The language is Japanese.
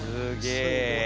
すごい！